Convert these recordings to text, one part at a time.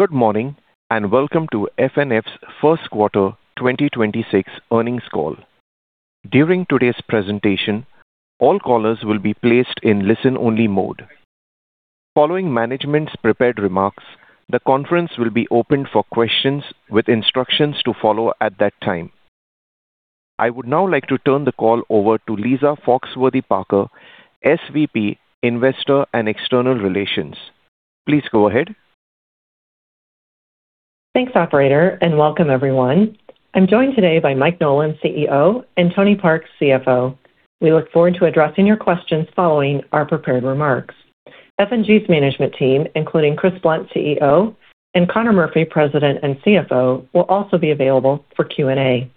Good morning, and welcome to FNF's first quarter 2026 earnings call. During today's presentation, all callers will be placed in listen-only mode. Following management's prepared remarks, the conference will be opened for questions with instructions to follow at that time. I would now like to turn the call over to Lisa Foxworthy-Parker, SVP, Investor and External Relations. Please go ahead. Thanks, operator, and welcome everyone. I'm joined today by Mike Nolan, CEO, and Tony Park, CFO. We look forward to addressing your questions following our prepared remarks. F&G's management team, including Chris Blunt, CEO, and Conor Murphy, President and CFO, will also be available for Q&A.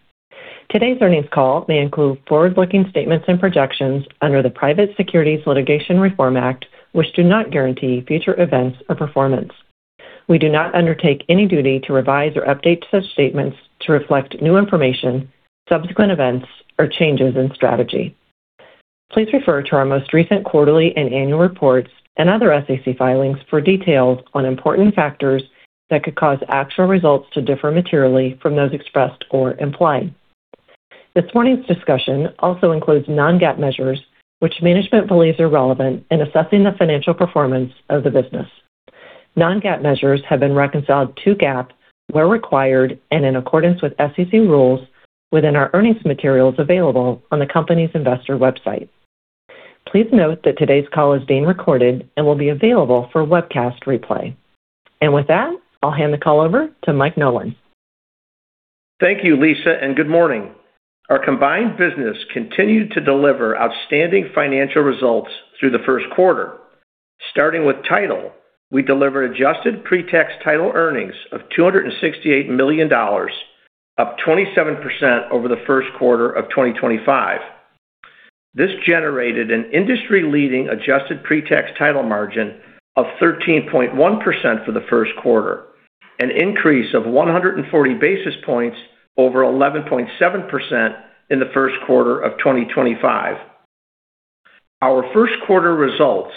Today's earnings call may include forward-looking statements and projections under the Private Securities Litigation Reform Act of 1995, which do not guarantee future events or performance. We do not undertake any duty to revise or update such statements to reflect new information, subsequent events, or changes in strategy. Please refer to our most recent quarterly and annual reports and other SEC filings for details on important factors that could cause actual results to differ materially from those expressed or implied. This morning's discussion also includes non-GAAP measures, which management believes are relevant in assessing the financial performance of the business. Non-GAAP measures have been reconciled to GAAP where required and in accordance with SEC rules within our earnings materials available on the company's investor website. Please note that today's call is being recorded and will be available for webcast replay. With that, I'll hand the call over to Mike Nolan. Thank you, Lisa, and good morning. Our combined business continued to deliver outstanding financial results through the first quarter. Starting with title, we delivered adjusted pre-tax title earnings of $268 million, up 27% over the first quarter of 2025. This generated an industry-leading adjusted pre-tax title margin of 13.1% for the first quarter, an increase of 140 basis points over 11.7% in the first quarter of 2025. Our first quarter results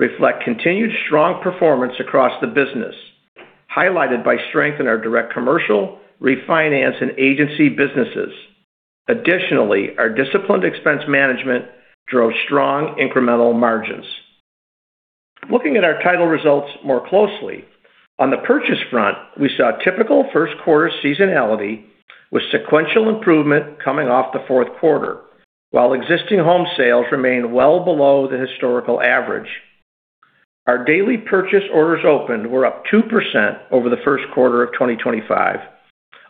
reflect continued strong performance across the business, highlighted by strength in our direct commercial, refinance, and agency businesses. Additionally, our disciplined expense management drove strong incremental margins. Looking at our title results more closely, on the purchase front, we saw typical first quarter seasonality with sequential improvement coming off the fourth quarter, while existing home sales remained well below the historical average. Our daily purchase orders opened were up 2% over the first quarter of 2025,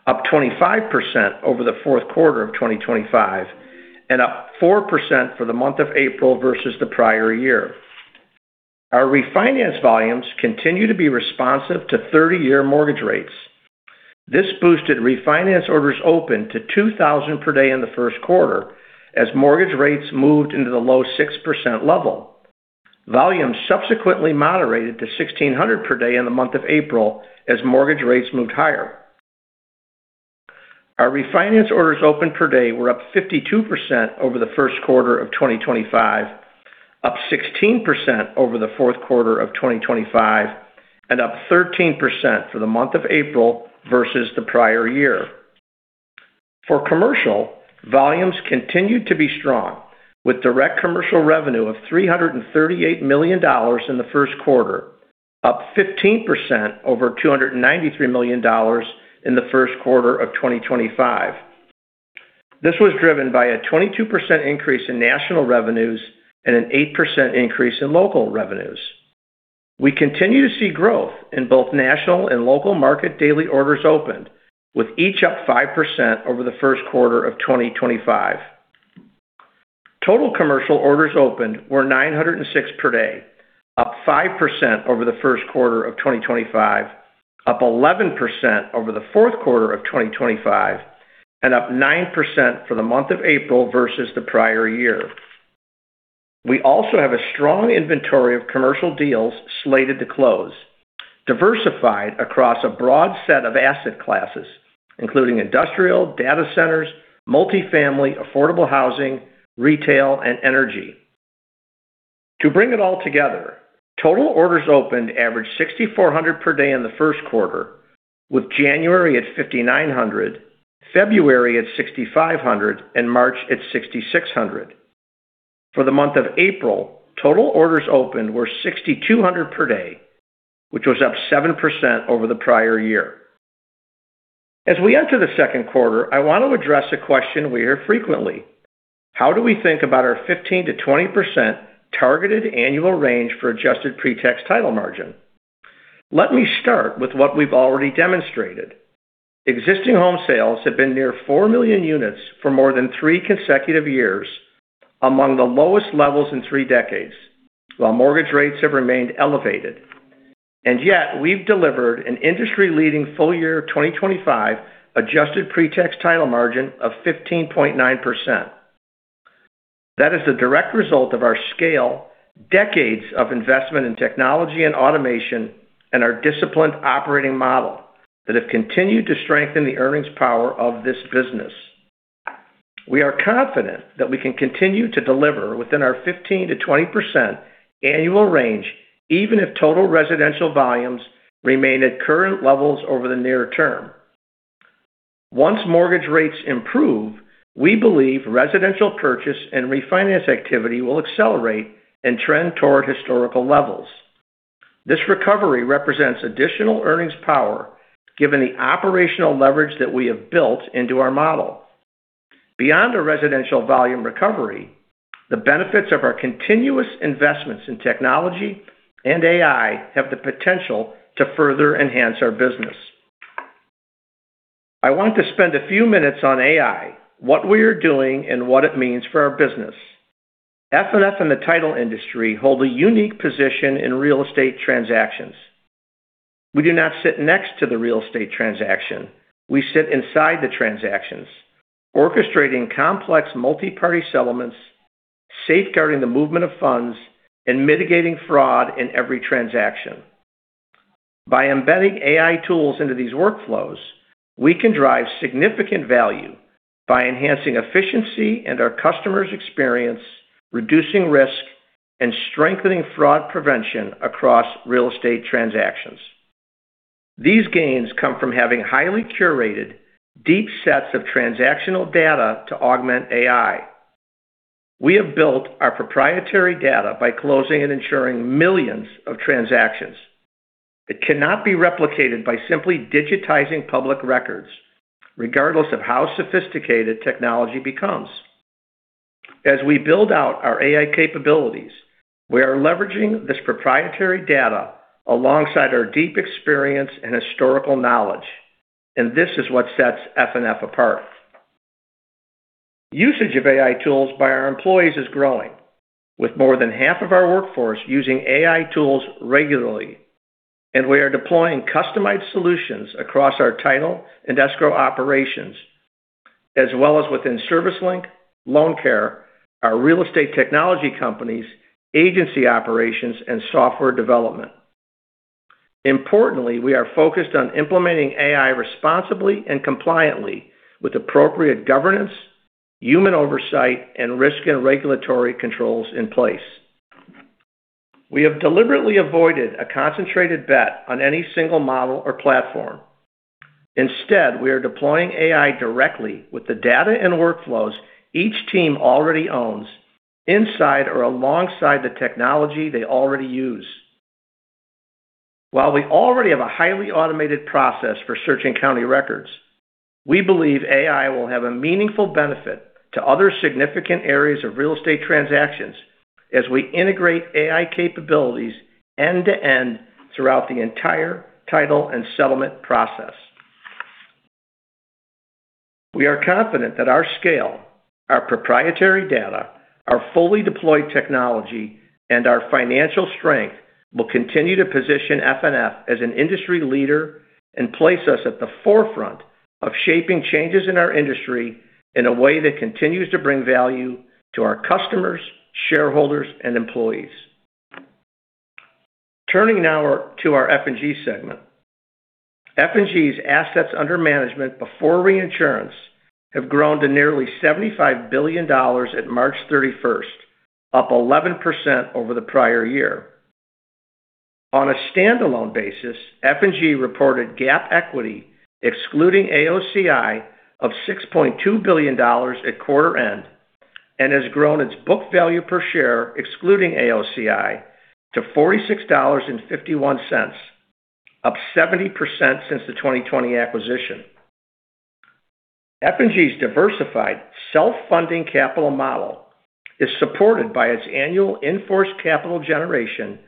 up 25% over the fourth quarter of 2025, and up 4% for the month of April versus the prior year. Our refinance volumes continue to be responsive to 30-year mortgage rates. This boosted refinance orders open to 2,000 per day in the first quarter as mortgage rates moved into the low 6% level. Volumes subsequently moderated to 1,600 per day in the month of April as mortgage rates moved higher. Our refinance orders open per day were up 52% over the first quarter of 2025, up 16% over the fourth quarter of 2025, and up 13% for the month of April versus the prior year. For commercial, volumes continued to be strong with direct commercial revenue of $338 million in the first quarter, up 15% over $293 million in the first quarter of 2025. This was driven by a 22% increase in national revenues and an 8% increase in local revenues. We continue to see growth in both national and local market daily orders opened, with each up 5% over the first quarter of 2025. Total commercial orders opened were 906 per day, up 5% over the first quarter of 2025, up 11% over the fourth quarter of 2025, and up 9% for the month of April versus the prior year. We also have a strong inventory of commercial deals slated to close, diversified across a broad set of asset classes, including industrial, data centers, multifamily, affordable housing, retail, and energy. To bring it all together, total orders opened averaged 6,400 per day in the first quarter, with January at 5,900, February at 6,500, and March at 6,600. For the month of April, total orders opened were 6,200 per day, which was up 7% over the prior year. As we enter the second quarter, I want to address a question we hear frequently: How do we think about our 15%-20% targeted annual range for adjusted pre-tax title margin? Let me start with what we've already demonstrated. Existing home sales have been near 4 million units for more than three consecutive years, among the lowest levels in three decades, while mortgage rates have remained elevated. Yet, we've delivered an industry-leading full year 2025 adjusted pre-tax title margin of 15.9%. That is the direct result of our scale, decades of investment in technology and automation, and our disciplined operating model that have continued to strengthen the earnings power of this business. We are confident that we can continue to deliver within our 15%-20% annual range, even if total residential volumes remain at current levels over the near term. Once mortgage rates improve, we believe residential purchase and refinance activity will accelerate and trend toward historical levels. This recovery represents additional earnings power given the operational leverage that we have built into our model. Beyond a residential volume recovery, the benefits of our continuous investments in technology and AI have the potential to further enhance our business. I want to spend a few minutes on AI, what we are doing and what it means for our business. FNF in the title industry hold a unique position in real estate transactions. We do not sit next to the real estate transaction. We sit inside the transactions, orchestrating complex multi-party settlements, safeguarding the movement of funds, and mitigating fraud in every transaction. By embedding AI tools into these workflows, we can drive significant value by enhancing efficiency and our customer's experience, reducing risk, and strengthening fraud prevention across real estate transactions. These gains come from having highly curated deep sets of transactional data to augment AI. We have built our proprietary data by closing and ensuring millions of transactions. It cannot be replicated by simply digitizing public records, regardless of how sophisticated technology becomes. As we build out our AI capabilities, we are leveraging this proprietary data alongside our deep experience and historical knowledge, and this is what sets FNF apart. Usage of AI tools by our employees is growing, with more than half of our workforce using AI tools regularly, and we are deploying customized solutions across our title and escrow operations, as well as within ServiceLink, LoanCare, our real estate technology companies, agency operations, and software development. Importantly, we are focused on implementing AI responsibly and compliantly with appropriate governance, human oversight, and risk and regulatory controls in place. We have deliberately avoided a concentrated bet on any single model or platform. Instead, we are deploying AI directly with the data and workflows each team already owns inside or alongside the technology they already use. While we already have a highly automated process for searching county records, we believe AI will have a meaningful benefit to other significant areas of real estate transactions as we integrate AI capabilities end-to-end throughout the entire title and settlement process. We are confident that our scale, our proprietary data, our fully deployed technology, and our financial strength will continue to position FNF as an industry leader and place us at the forefront of shaping changes in our industry in a way that continues to bring value to our customers, shareholders, and employees. Turning now to our F&G segment. F&G's assets under management before reinsurance have grown to nearly $75 billion at March 31st, up 11% over the prior year. On a standalone basis, F&G reported GAAP equity, excluding AOCI, of $6.2 billion at quarter end, and has grown its book value per share, excluding AOCI, to $46.51, up 70% since the 2020 acquisition. F&G's diversified self-funding capital model is supported by its annual in-force capital generation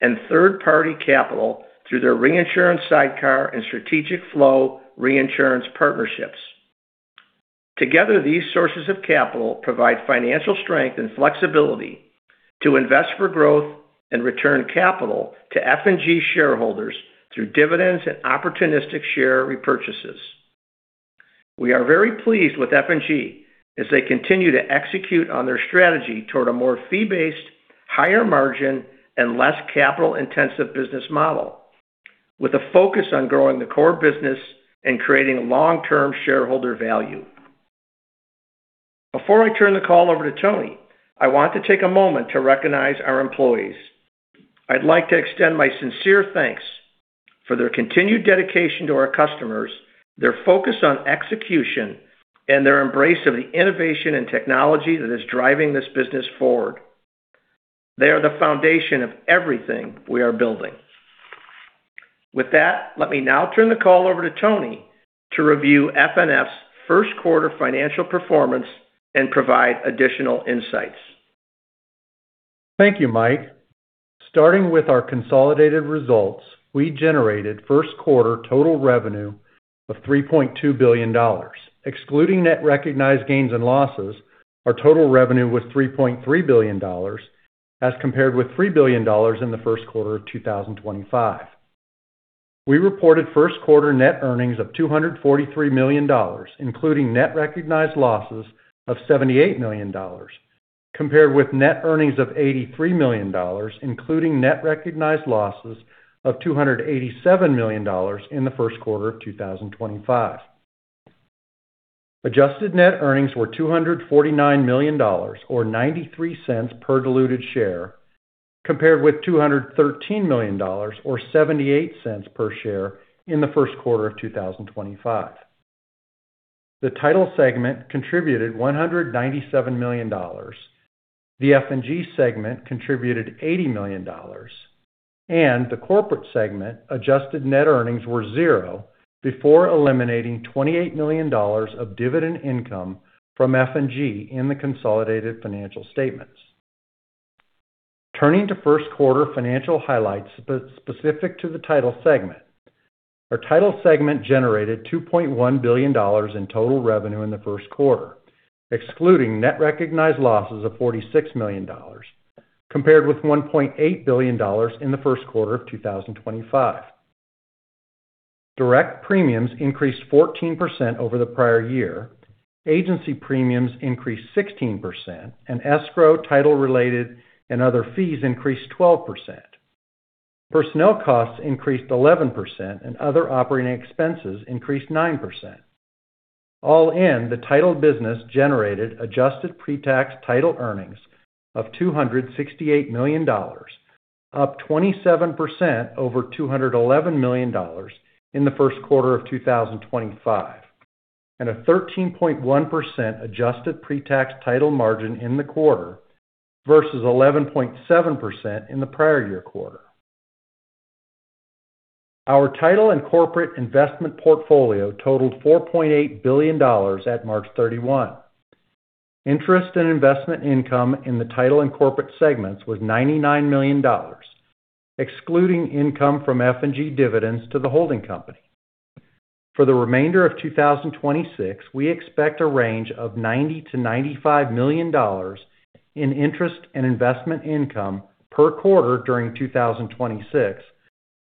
and third-party capital through their reinsurance sidecar and strategic flow reinsurance partnerships. Together, these sources of capital provide financial strength and flexibility to invest for growth and return capital to F&G shareholders through dividends and opportunistic share repurchases. We are very pleased with F&G as they continue to execute on their strategy toward a more fee-based, higher margin, and less capital-intensive business model, with a focus on growing the core business and creating long-term shareholder value. Before I turn the call over to Tony, I want to take a moment to recognize our employees. I'd like to extend my sincere thanks for their continued dedication to our customers, their focus on execution, and their embrace of the innovation and technology that is driving this business forward. They are the foundation of everything we are building. With that, let me now turn the call over to Tony to review FNF's first quarter financial performance and provide additional insights. Thank you, Mike. Starting with our consolidated results, we generated first quarter total revenue of $3.2 billion. Excluding net recognized gains and losses, our total revenue was $3.3 billion as compared with $3 billion in the first quarter of 2025. We reported first quarter net earnings of $243 million, including net recognized losses of $78 million. Compared with net earnings of $83 million, including net recognized losses of $287 million in the first quarter of 2025. Adjusted net earnings were $249 million or $0.93 per diluted share, compared with $213 million or $0.78 per share in the first quarter of 2025. The Title segment contributed $197 million. The F&G segment contributed $80 million, and the Corporate segment adjusted net earnings were $0 before eliminating $28 million of dividend income from F&G in the consolidated financial statements. Turning to first quarter financial highlights specific to the Title segment. Our Title segment generated $2.1 billion in total revenue in the first quarter, excluding net recognized losses of $46 million compared with $1.8 billion in the first quarter of 2025. Direct premiums increased 14% over the prior year. Agency premiums increased 16% and escrow title related and other fees increased 12%. Personnel costs increased 11% and other operating expenses increased 9%. All in, the Title business generated adjusted pre-tax Title earnings of $268 million, up 27% over $211 million in the first quarter of 2025, and a 13.1% adjusted pre-tax Title margin in the quarter versus 11.7% in the prior-year quarter. Our Title and Corporate investment portfolio totaled $4.8 billion at March 31. Interest and investment income in the Title and Corporate segments was $99 million, excluding income from F&G dividends to the holding company. For the remainder of 2026, we expect a range of $90 million-$95 million in interest and investment income per quarter during 2026,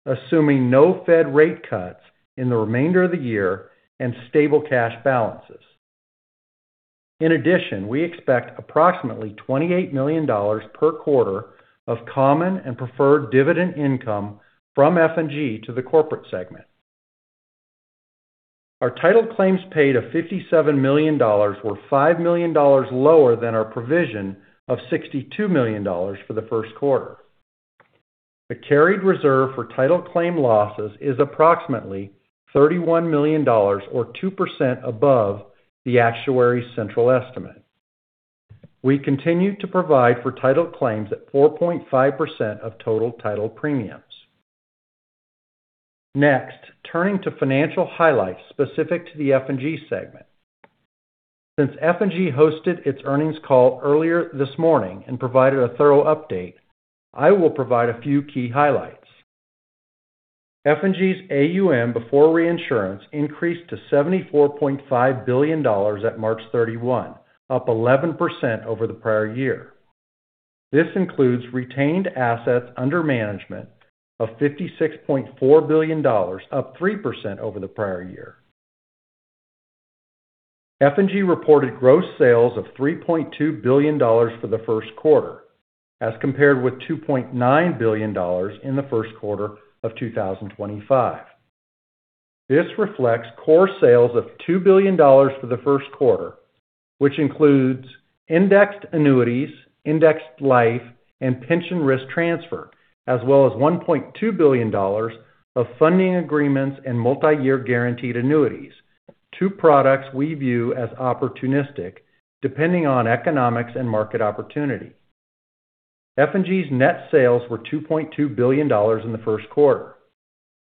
assuming no Fed rate cuts in the remainder of the year and stable cash balances. In addition, we expect approximately $28 million per quarter of common and preferred dividend income from F&G to the Corporate Segment. Our Title claims paid of $57 million were $5 million lower than our provision of $62 million for the first quarter. The carried reserve for Title claim losses is approximately $31 million, or 2% above the actuary's central estimate. We continue to provide for Title claims at 4.5% of total Title premiums. Next, turning to financial highlights specific to the F&G Segment. Since F&G hosted its earnings call earlier this morning and provided a thorough update, I will provide a few key highlights. F&G's AUM before reinsurance increased to $74.5 billion at March 31, up 11% over the prior year. This includes retained assets under management of $56.4 billion, up 3% over the prior year. F&G reported gross sales of $3.2 billion for the first quarter as compared with $2.9 billion in the first quarter of 2025. This reflects core sales of $2 billion for the first quarter, which includes indexed annuities, indexed life, and pension risk transfer, as well as $1.2 billion of funding agreements and multi-year guaranteed annuities. Two products we view as opportunistic depending on economics and market opportunity. F&G's net sales were $2.2 billion in the first quarter.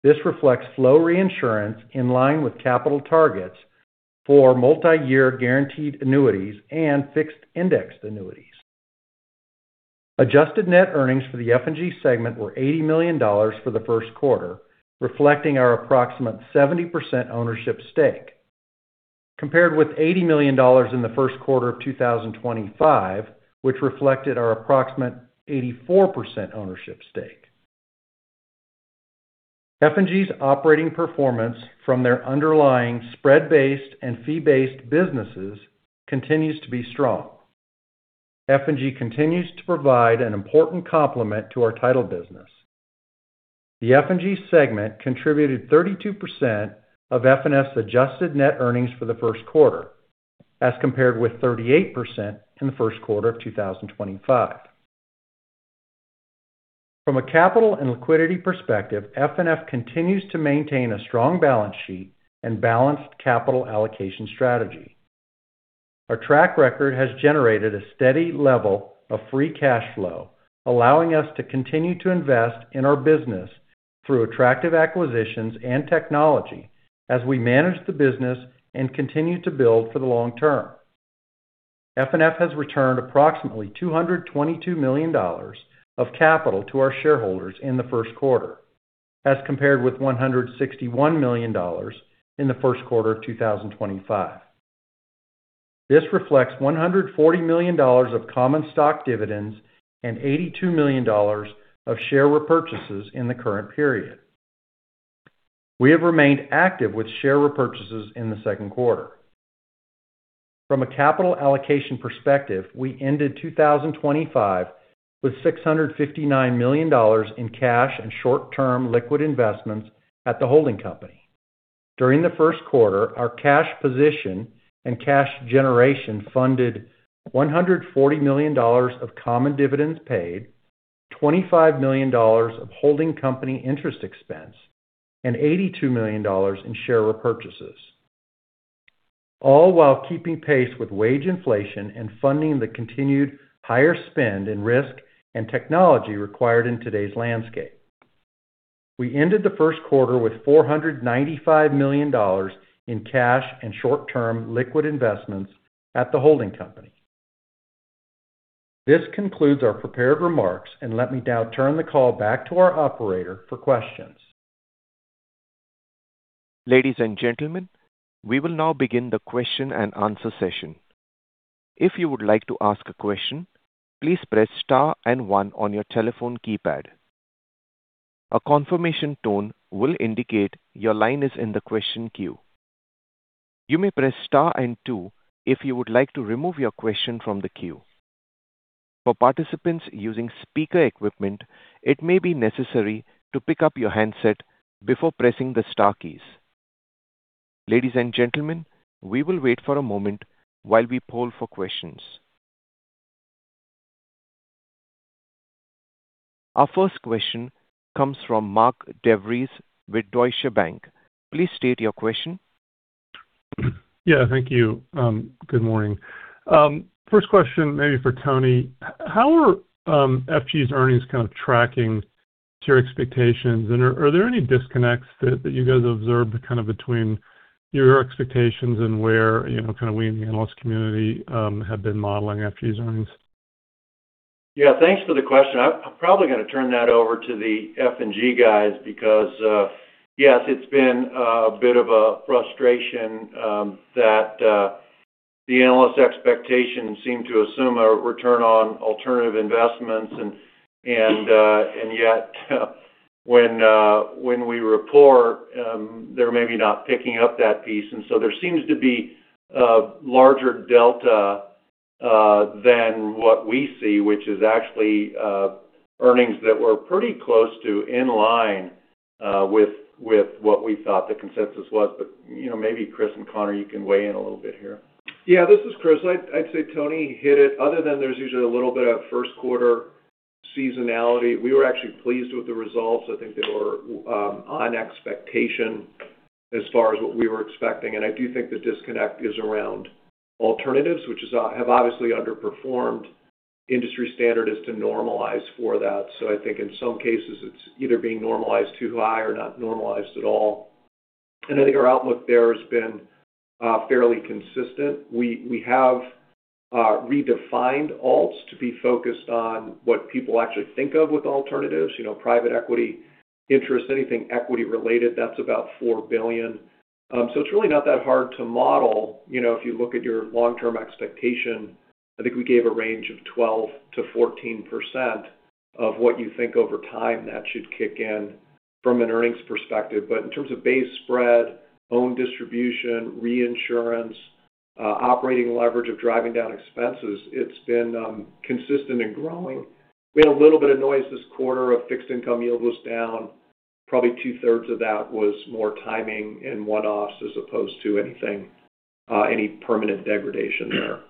This reflects flow reinsurance in line with capital targets for multi-year guaranteed annuities and fixed indexed annuities. Adjusted net earnings for the F&G segment were $80 million for the first quarter, reflecting our approximate 70% ownership stake, compared with $80 million in the first quarter of 2025, which reflected our approximate 84% ownership stake. F&G's operating performance from their underlying spread-based and fee-based businesses continues to be strong. F&G continues to provide an important complement to our Title business. The F&G segment contributed 32% of FNF's adjusted net earnings for the first quarter as compared with 38% in the first quarter of 2025. From a capital and liquidity perspective, FNF continues to maintain a strong balance sheet and balanced capital allocation strategy. Our track record has generated a steady level of free cash flow, allowing us to continue to invest in our business through attractive acquisitions and technology as we manage the business and continue to build for the long term. FNF has returned approximately $222 million of capital to our shareholders in the first quarter as compared with $161 million in the first quarter of 2025. This reflects $140 million of common stock dividends and $82 million of share repurchases in the current period. We have remained active with share repurchases in the second quarter. From a capital allocation perspective, we ended 2025 with $659 million in cash and short-term liquid investments at the holding company. During the first quarter, our cash position and cash generation funded $140 million of common dividends paid, $25 million of holding company interest expense, and $82 million in share repurchases, all while keeping pace with wage inflation and funding the continued higher spend in risk and technology required in today's landscape. We ended the first quarter with $495 million in cash and short-term liquid investments at the holding company. This concludes our prepared remarks, let me now turn the call back to our operator for questions. Ladies and gentlemen, we will now begin the question and answer session. If you would like to ask a question, please press star and one on your telephone keypad. A confirmation tone will indicate your line is in the question queue. You may press star and two if you would like to remove your question from the queue. For participants using speaker equipment, it may be necessary to pick up your handset before pressing the star keys. Ladies and gentlemen, we will wait for a moment while we poll for questions. Our first question comes from Mark DeVries with Deutsche Bank. Please state your question. Yeah, thank you. Good morning. First question maybe for Tony. How are F&G's earnings kind of tracking to your expectations? Are there any disconnects that you guys observed kind of between your expectations and where, you know, kind of we in the analyst community have been modeling F&G's earnings? Yeah, thanks for the question. I'm probably gonna turn that over to the F&G guys because, yes, it's been a bit of a frustration that the analyst expectations seem to assume a return on alternative investments. Yet, when we report, they're maybe not picking up that piece. There seems to be a larger delta than what we see, which is actually earnings that were pretty close to in line with what we thought the consensus was. You know, maybe Chris and Conor, you can weigh in a little bit here. Yeah, this is Chris. I'd say Tony hit it. Other than there's usually a little bit of first quarter seasonality, we were actually pleased with the results. I think they were on expectation as far as what we were expecting. I do think the disconnect is around alternatives, which have obviously underperformed industry standard is to normalize for that. I think in some cases, it's either being normalized too high or not normalized at all. I think our outlook there has been fairly consistent. We have redefined ALTS to be focused on what people actually think of with alternatives. You know, private equity interest, anything equity related, that's about $4 billion. It's really not that hard to model. You know, if you look at your long-term expectation, I think we gave a range of 12%-14% of what you think over time that should kick in from an earnings perspective. In terms of base spread, own distribution, reinsurance, operating leverage of driving down expenses, it's been consistent and growing. We had a little bit of noise this quarter of fixed income yield was down. Probably 2/3 of that was more timing and one-offs as opposed to anything, any permanent degradation there.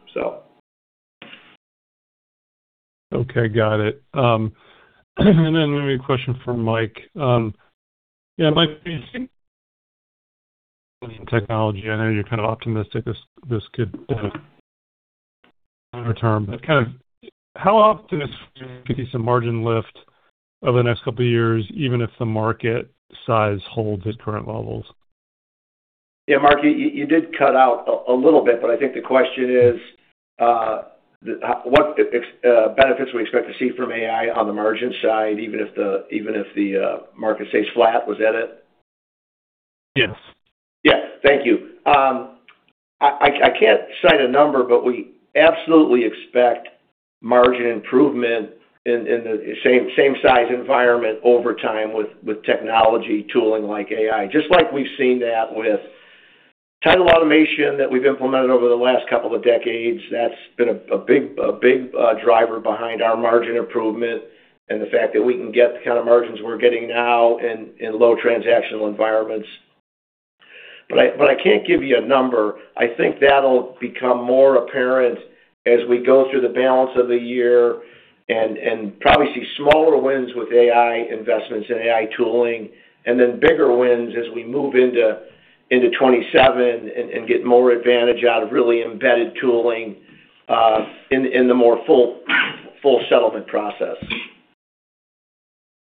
Okay, got it. Maybe a question for Mike. Yeah, Mike, technology. I know you're kind of optimistic this could kind of longer term. Kind of how often do you see some margin lift over the next couple of years, even if the market size holds at current levels? Yeah, Mark, you did cut out a little bit, but I think the question is, benefits we expect to see from AI on the margin side, even if the market stays flat. Was that it? Yes. Yeah. Thank you. I can't cite a number, but we absolutely expect margin improvement in the same size environment over time with technology tooling like AI. Just like we've seen that with title automation that we've implemented over the last couple of decades. That's been a big driver behind our margin improvement and the fact that we can get the kind of margins we're getting now in low transactional environments. I can't give you a number. I think that'll become more apparent as we go through the balance of the year and probably see smaller wins with AI investments and AI tooling, then bigger wins as we move into 2027 and get more advantage out of really embedded tooling in the more full settlement process.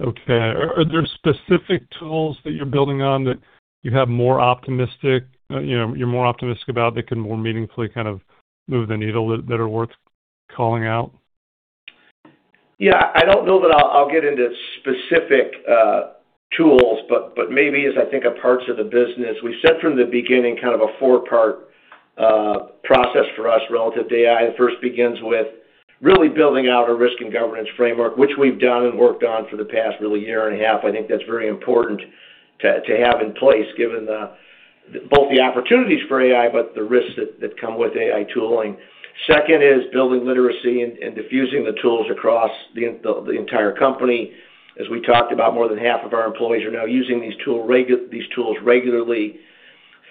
Okay. Are there specific tools that you're building on that you have more optimistic, you know, you're more optimistic about that can more meaningfully kind of move the needle that are worth calling out? I don't know that I'll get into specific tools, but maybe as I think of parts of the business. We said from the beginning kind of a four-part relative to AI. It first begins with really building out a risk and governance framework, which we've done and worked on for the past really year and a half. I think that's very important to have in place given both the opportunities for AI, but the risks that come with AI tooling. Second is building literacy and diffusing the tools across the entire company. As we talked about, more than half of our employees are now using these tools regularly.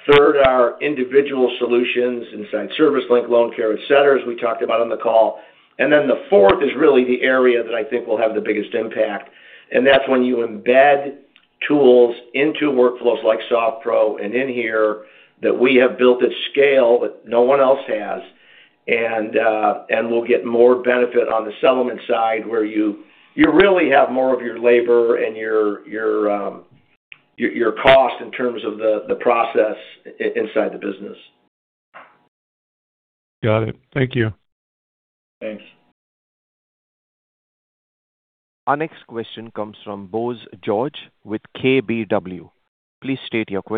Third are individual solutions inside ServiceLink, LoanCare, et cetera, as we talked about on the call. The fourth is really the area that I think will have the biggest impact, that's when you embed tools into workflows like SoftPro and inHere that we have built at scale that no one else has. We'll get more benefit on the settlement side where you really have more of your labor and your cost in terms of the process inside the business. Got it. Thank you. Thanks. Our next question comes from Bose George with KBW. Please state your que-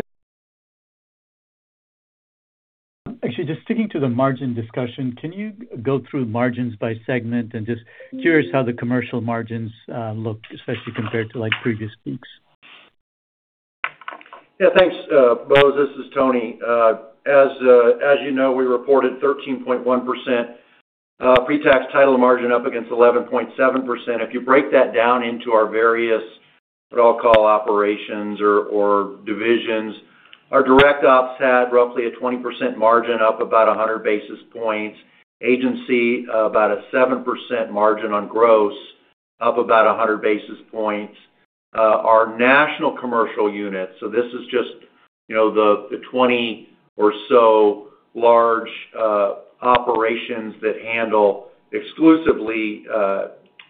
Actually, just sticking to the margin discussion, can you go through margins by segment? Just curious how the commercial margins look, especially compared to, like, previous weeks? Yeah. Thanks, Bose. This is Tony. As you know, we reported 13.1%, pretax title margin up against 11.7%. If you break that down into our various, what I'll call operations or divisions, our direct ops had roughly a 20% margin, up about 100 basis points. Agency, about a 7% margin on gross, up about 100 basis points. Our national commercial unit, so this is just, you know, the 20 or so large operations that handle exclusively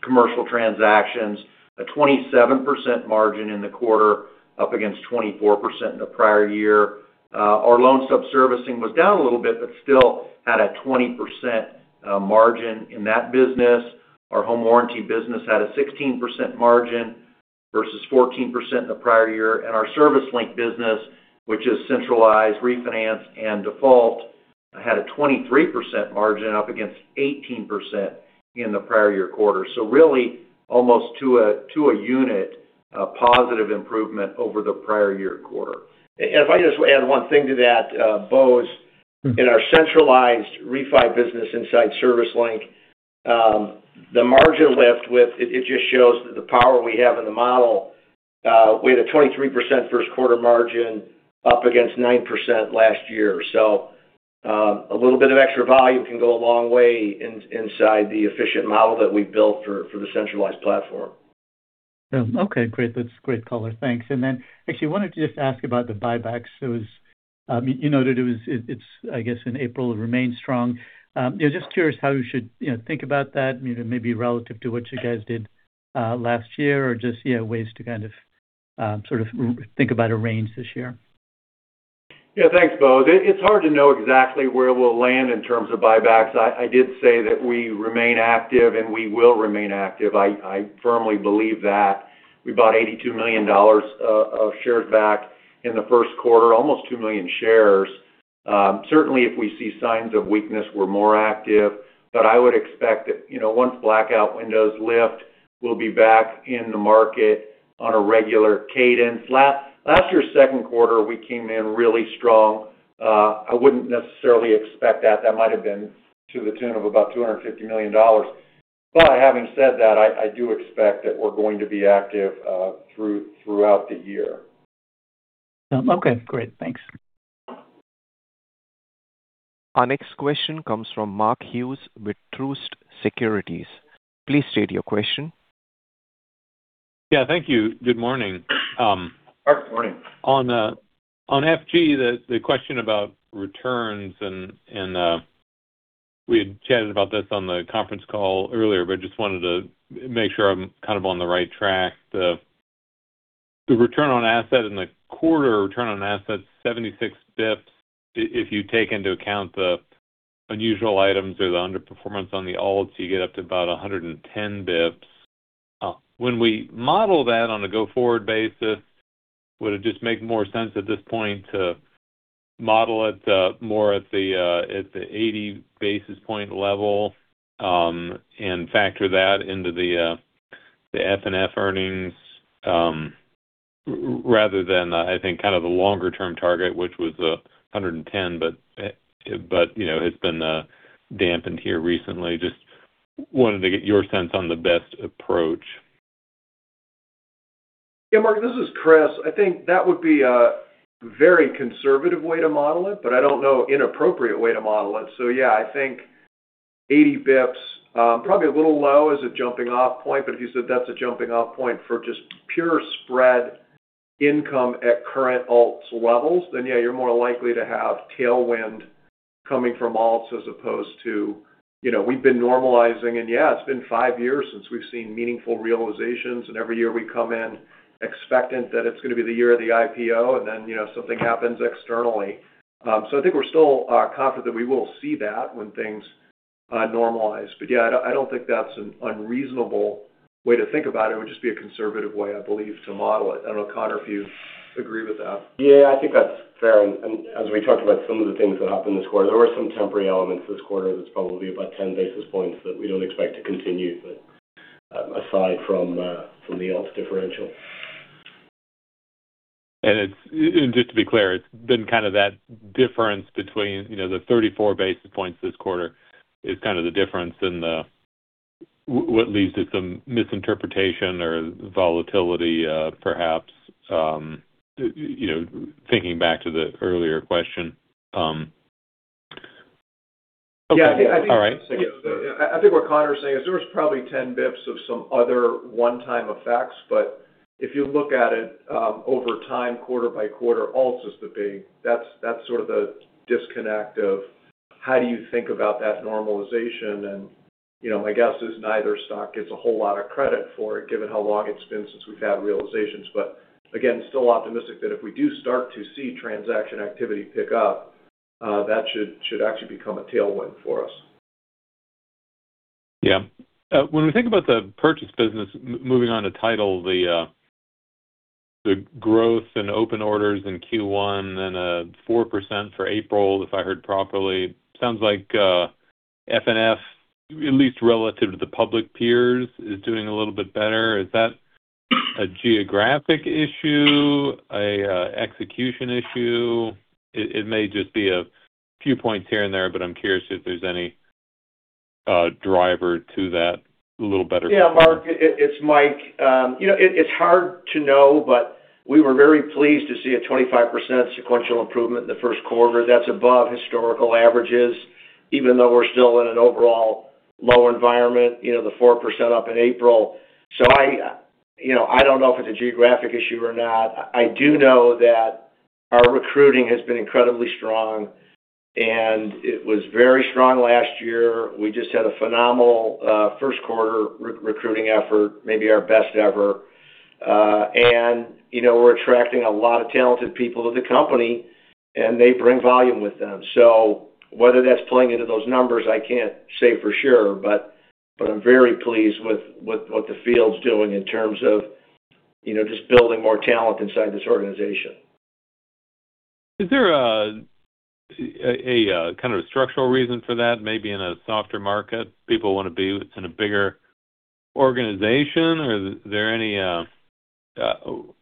commercial transactions. A 27% margin in the quarter, up against 24% in the prior year. Our loan subservicing was down a little bit, but still at a 20% margin in that business. Our home warranty business had a 16% margin versus 14% in the prior year. Our ServiceLink business, which is centralized refinance and default, had a 23% margin up against 18% in the prior year quarter. Really almost to a unit, a positive improvement over the prior year quarter. If I just add one thing to that, Bose. In our centralized refi business inside ServiceLink, the margin lift with it just shows the power we have in the model. We had a 23% first quarter margin up against 9% last year. A little bit of extra volume can go a long way inside the efficient model that we've built for the centralized platform. Yeah. Okay, great. That's great color. Thanks. Actually wanted to just ask about the buybacks. It was, you know, that, I guess, in April it remained strong. Yeah, just curious how you should, you know, think about that, you know, maybe relative to what you guys did last year or just, yeah, ways to kind of think about a range this year. Yeah. Thanks, Bose. It's hard to know exactly where we'll land in terms of buybacks. I did say that we remain active, we will remain active. I firmly believe that. We bought $82 million of shares back in the first quarter, almost 2 million shares. Certainly if we see signs of weakness, we're more active. I would expect that, you know, once blackout windows lift, we'll be back in the market on a regular cadence. Last year's second quarter, we came in really strong. I wouldn't necessarily expect that. That might have been to the tune of about $250 million. Having said that, I do expect that we're going to be active throughout the year. Okay, great. Thanks. Our next question comes from Mark Hughes with Truist Securities. Please state your question. Yeah, thank you. Good morning. Mark, morning. On on F&G, the question about returns and we had chatted about this on the conference call earlier, but just wanted to make sure I'm kind of on the right track. The return on asset in the quarter, return on asset 76 basis points. If you take into account the unusual items or the underperformance on the alts, you get up to about 110 basis points. When we model that on a go-forward basis, would it just make more sense at this point to model it more at the 80 basis point level and factor that into the FNF earnings rather than, I think, kind of the longer term target, which was 110, but, you know, has been dampened here recently? Just wanted to get your sense on the best approach. Mark, this is Chris. I think that would be a very conservative way to model it, but I don't know an appropriate way to model it. I think 80 basis points, probably a little low as a jumping-off point, but if you said that's a jumping-off point for just pure spread income at current alts levels, then you're more likely to have tailwind coming from alts as opposed to, you know, we've been normalizing. It's been five years since we've seen meaningful realizations, and every year we come in expectant that it's gonna be the year of the IPO, and then, you know, something happens externally. I think we're still confident that we will see that when normalize. Yeah, I don't think that's an unreasonable way to think about it. It would just be a conservative way, I believe, to model it. I don't know, Conor, if you agree with that. Yeah, I think that's fair. As we talked about some of the things that happened this quarter, there were some temporary elements this quarter that's probably about 10 basis points that we don't expect to continue, but aside from the ALTS differential. Just to be clear, it's been kind of that difference between, you know, the 34 basis points this quarter is kind of the difference in what leads to some misinterpretation or volatility, perhaps, you know, thinking back to the earlier question. Yeah. All right. I think what Conor is saying is there was probably 10 basis point of some other one-time effects. If you look at it, over time, quarter-by-quarter, ALTS is the big that's sort of the disconnect of how do you think about that normalization. You know, my guess is neither stock gets a whole lot of credit for it, given how long it's been since we've had realizations. Again, still optimistic that if we do start to see transaction activity pick up, that should actually become a tailwind for us. Yeah. When we think about the purchase business, moving on to title, the growth in open orders in Q1 and 4% for April, if I heard properly. Sounds like FNF, at least relative to the public peers, is doing a little bit better. Is that a geographic issue, a execution issue? It may just be a few points here and there, but I'm curious if there's any driver to that a little better. Yeah, Mark. It's Mike. You know, it's hard to know, but we were very pleased to see a 25% sequential improvement in the first quarter. That's above historical averages, even though we're still in an overall low environment, you know, the 4% up in April. I, you know, I don't know if it's a geographic issue or not. I do know that our recruiting has been incredibly strong, and it was very strong last year. We just had a phenomenal first quarter re-recruiting effort, maybe our best ever, and, you know, we're attracting a lot of talented people to the company and they bring volume with them. Whether that's playing into those numbers, I can't say for sure, but I'm very pleased with what the field's doing in terms of, you know, just building more talent inside this organization. Is there a kind of a structural reason for that? Maybe in a softer market, people want to be in a bigger organization? Is there any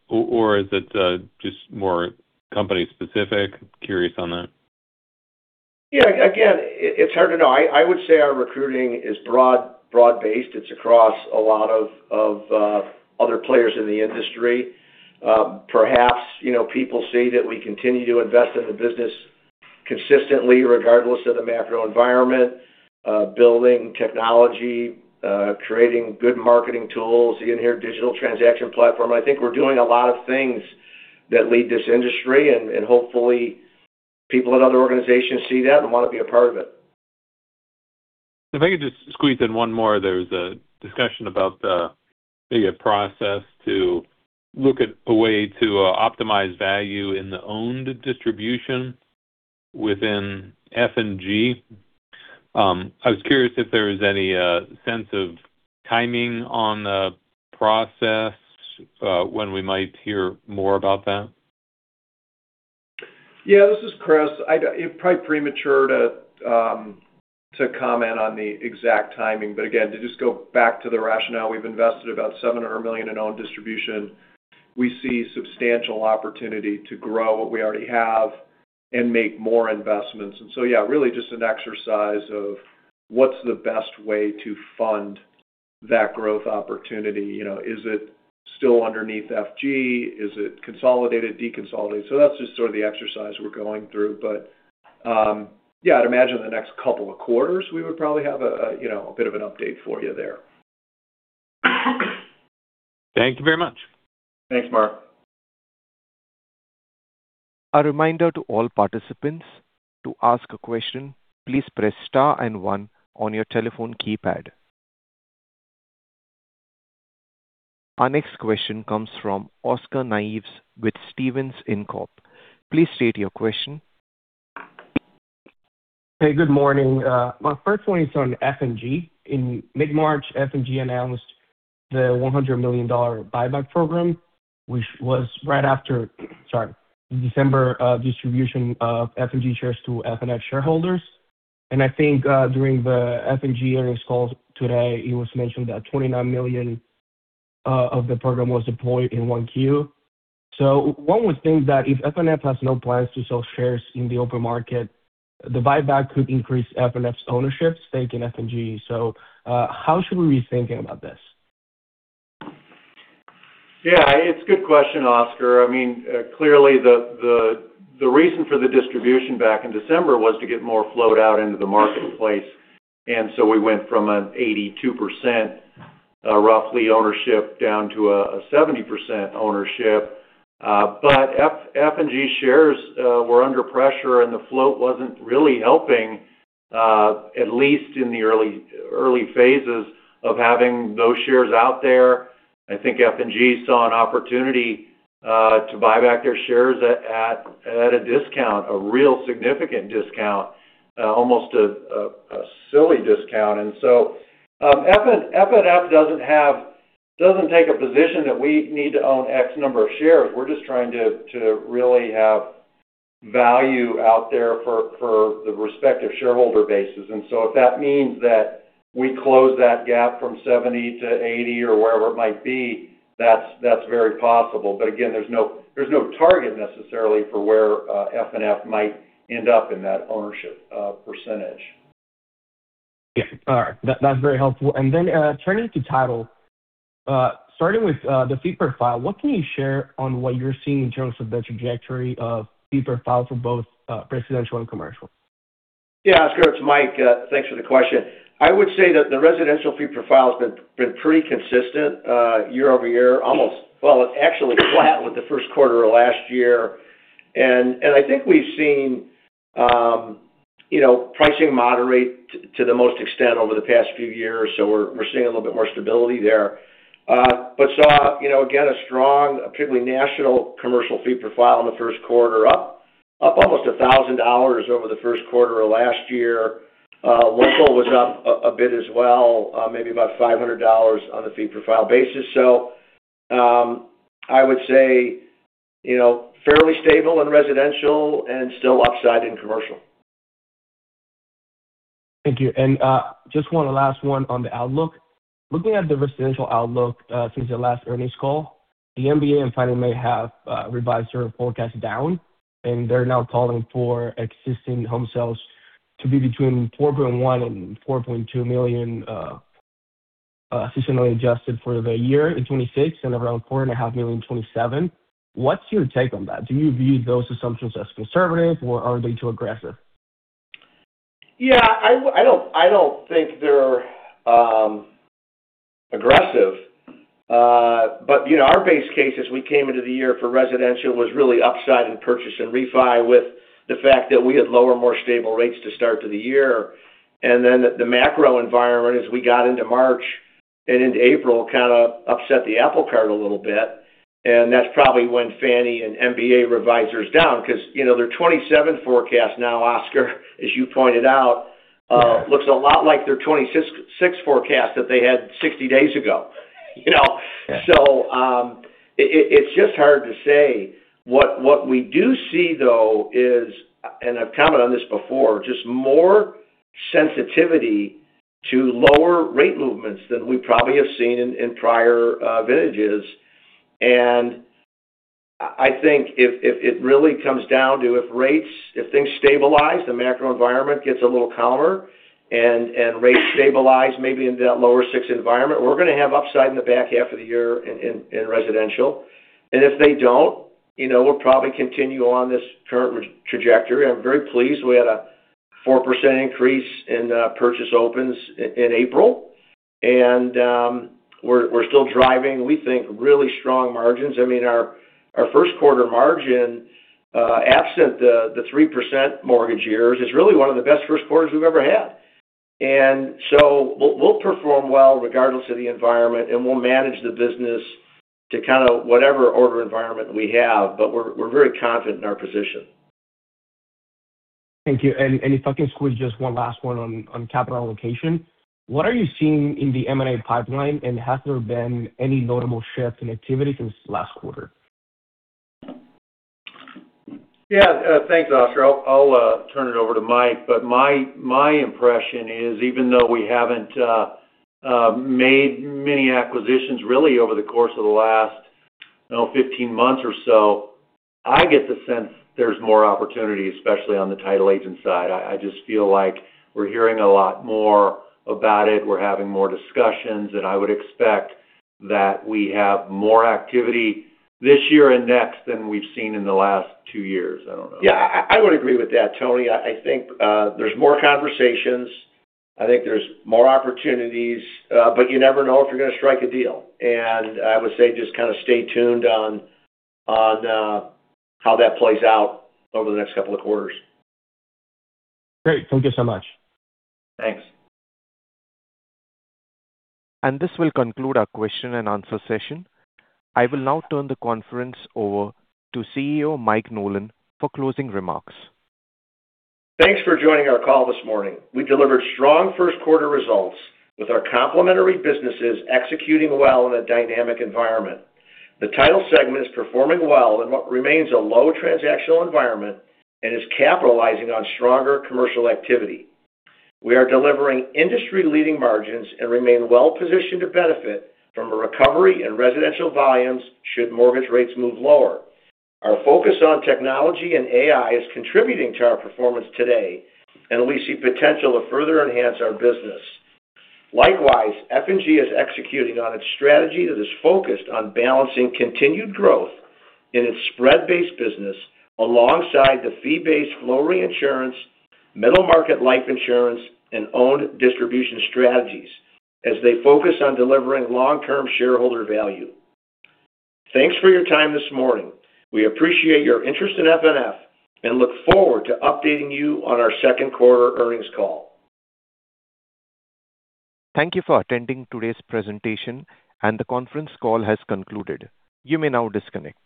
or is it just more company specific? Curious on that. Yeah. Again, it's hard to know. I would say our recruiting is broad-based. It's across a lot of other players in the industry. Perhaps, you know, people see that we continue to invest in the business consistently, regardless of the macro environment, building technology, creating good marketing tools, the inherent digital transaction platform. I think we're doing a lot of things that lead this industry. Hopefully people at other organizations see that and want to be a part of it. If I could just squeeze in one more. There was a discussion about the, maybe a process to look at a way to optimize value in the owned distribution within F&G. I was curious if there was any sense of timing on the process, when we might hear more about that. This is Chris. It's probably premature to comment on the exact timing. Again, to just go back to the rationale, we've invested about $700 million in owned distribution. We see substantial opportunity to grow what we already have and make more investments. Yeah, really just an exercise of what's the best way to fund that growth opportunity. You know, is it still underneath F&G? Is it consolidated, deconsolidated? That's just sort of the exercise we're going through. Yeah, I'd imagine in the next couple of quarters, we would probably have a, you know, a bit of an update for you there. Thank you very much. Thanks, Mark. A reminder to all participants, to ask a question, please press star and one on your telephone keypad. Our next question comes from Oscar Nieves with Stephens Inc. Please state your question. Hey, good morning. My first one is on F&G. In mid-March, F&G announced the $100 million buyback program, which was right after, sorry, December distribution of F&G shares to FNF shareholders. I think, during the F&G earnings call today, it was mentioned that $29 million of the program was deployed in 1Q. One would think that if FNF has no plans to sell shares in the open market, the buyback could increase FNF's ownership stake in F&G. How should we be thinking about this? Yeah. It's a good question, Oscar. I mean, clearly the reason for the distribution back in December was to get more float out into the marketplace. We went from an 82% roughly ownership down to a 70% ownership. F&G shares were under pressure and the float wasn't really helping at least in the early phases of having those shares out there. I think F&G saw an opportunity to buy back their shares at a discount, a real significant discount, almost a silly discount. FNF doesn't take a position that we need to own X number of shares. We're just trying to really have value out there for the respective shareholder bases. If that means that we close that gap from 70-80 or wherever it might be, that's very possible. Again, there's no target necessarily for where FNF might end up in that ownership percentage. Yeah. All right. That's very helpful. Then, turning to title, starting with the fee per file, what can you share on what you're seeing in terms of the trajectory of fee per file for both residential and commercial? Yeah, Oscar, it's Mike. Thanks for the question. I would say that the residential fee per file has been pretty consistent year-over-year, almost Well, it's actually flat with the first quarter of last year. I think we've seen, you know, pricing moderate to the most extent over the past few years. We're seeing a little bit more stability there. Saw, you know, again, a strong, particularly national commercial fee per file in the first quarter, up almost $1,000 over the first quarter of last year. Local was up a bit as well, maybe about $500 on a fee per file basis. I would say, you know, fairly stable in residential and still upside in commercial. Thank you. Just one last one on the outlook. Looking at the residential outlook, since the last earnings call, the MBA and Fannie Mae have revised their forecast down, and they're now calling for existing home sales to be between $4.1 million and $4.2 million seasonally adjusted for the year in 2026 and around $4.5 million in 2027. What's your take on that? Do you view those assumptions as conservative or are they too aggressive? Yeah. I don't think they're aggressive. You know, our base case as we came into the year for residential was really upside in purchase and refi with the fact that we had lower, more stable rates to start to the year. The macro environment, as we got into March and into April, kind of upset the apple cart a little bit. That's probably when Fannie and MBA revised theirs down because, you know, their 27 forecast now, Oscar, as you pointed out, looks a lot like their 26 forecast that they had 60 days ago, you know? Yeah. It's just hard to say. What we do see, though, is, I've commented on this before, just more sensitivity to lower rate movements than we probably have seen in prior vintages. I think if it really comes down to if rates, if things stabilize, the macro environment gets a little calmer and rates stabilize maybe into that lower six environment, we're gonna have upside in the back half of the year in residential. If they don't, you know, we'll probably continue on this current re-trajectory. I'm very pleased we had a 4% increase in purchase opens in April. We're still driving, we think, really strong margins. I mean, our first quarter margin, absent the 3% mortgage yields, is really one of the best first quarters we've ever had. We'll perform well regardless of the environment, and we'll manage the business to kind of whatever order environment we have, but we're very confident in our position. Thank you. If I can squeeze just one last one on capital allocation. What are you seeing in the M&A pipeline, and has there been any notable shifts in activity since last quarter? Thanks, Oscar. I'll turn it over to Mike. My, my impression is even though we haven't made many acquisitions really over the course of the last, you know, 15 months or so, I get the sense there's more opportunity, especially on the title agent side. I just feel like we're hearing a lot more about it. We're having more discussions. I would expect that we have more activity this year and next than we've seen in the last two years. I don't know. I would agree with that, Tony. I think there's more conversations. I think there's more opportunities. You never know if you're gonna strike a deal. I would say just kinda stay tuned on how that plays out over the next couple of quarters. Great. Thank you so much. Thanks. This will conclude our question and answer session. I will now turn the conference over to CEO, Mike Nolan, for closing remarks. Thanks for joining our call this morning. We delivered strong first quarter results with our complimentary businesses executing well in a dynamic environment. The title segment is performing well in what remains a low transactional environment and is capitalizing on stronger commercial activity. We are delivering industry-leading margins and remain well-positioned to benefit from a recovery in residential volumes should mortgage rates move lower. Our focus on technology and AI is contributing to our performance today, and we see potential to further enhance our business. Likewise, F&G is executing on its strategy that is focused on balancing continued growth in its spread-based business alongside the fee-based flow reinsurance, middle market life insurance, and owned distribution strategies as they focus on delivering long-term shareholder value. Thanks for your time this morning. We appreciate your interest in FNF and look forward to updating you on our second quarter earnings call. Thank you for attending today's presentation, and the conference call has concluded. You may now disconnect.